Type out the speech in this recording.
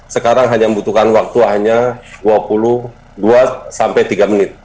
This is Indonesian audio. sekarang hanya membutuhkan waktu hanya dua puluh dua sampai tiga menit